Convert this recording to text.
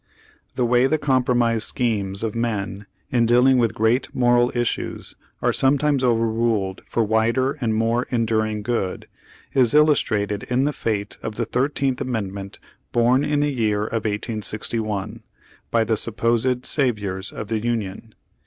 The way the compromise schemes of men in dealing with great moral issues are sometimes overruled for wider and more enduring good, is illustrated in the fate of the Thirteenth Amend ment bom in the year of 1861, by the supposed saviors of the Union.